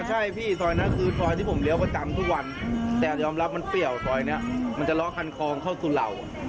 ใช่พี่ซอยนั้นคือซอยที่ผมเลี้ยวประจำทุกวันแต่ยอมรับมันเปรี้ยวซอยนี้มันจะล้อคันคลองเข้าสุเหล่า